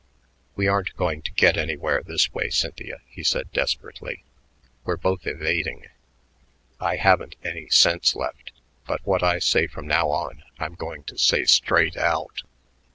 "We aren't going to get anywhere this way, Cynthia," he said desperately. "We're both evading. I haven't any sense left, but what I say from now on I am going to say straight out.